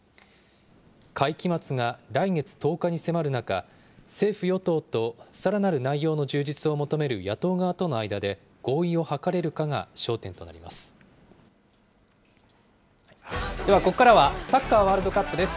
会期末が来月１０日に迫る中、政府・与党とさらなる内容の充実を求める野党側との間で合意を図ではここからはサッカーワールドカップです。